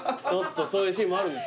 そういうシーンもあるんですか？